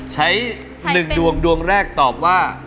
ใช้๑ดวงดวงแรกตอบว่า